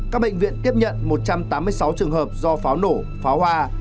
các bệnh viện tiếp nhận một trăm tám mươi sáu trường hợp do pháo nổ pháo hoa